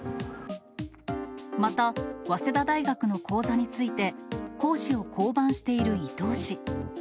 また早稲田大学の講座について、講師を降板している伊東氏。